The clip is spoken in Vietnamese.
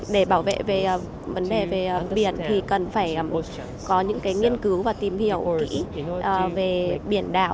để bảo vệ về vấn đề về biển thì cần phải có những nghiên cứu và tìm hiểu về biển đảo